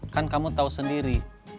kita harus tahu sendiri